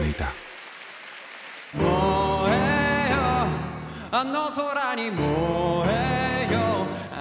「燃えよあの空に燃えよ」